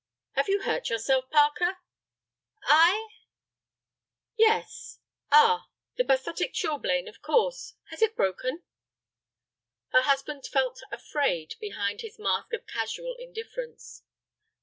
"Have you hurt yourself, Parker?" "I?" "Yes. Ah, the bathotic chilblain, of course! Has it broken?" Her husband felt afraid behind his mask of casual indifference.